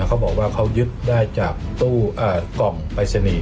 เขาบอกว่าเขายึดได้จากกล่องไปรษณีย์